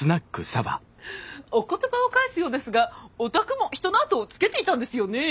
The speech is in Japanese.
お言葉を返すようですがお宅も人のあとをつけていたんですよねえ？